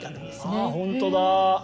ああほんとだ！